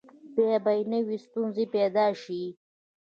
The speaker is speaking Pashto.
بیا به نوي ستونزې پیدا شي.